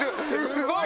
すごい！